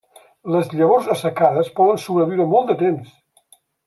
Les llavors assecades poden sobreviure molt de temps.